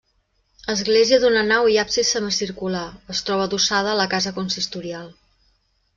Església d'una nau i absis semicircular, es troba adossada a la casa consistorial.